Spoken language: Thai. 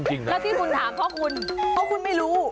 จริงแล้วที่คุณถามเพราะคุณเพราะคุณไม่รู้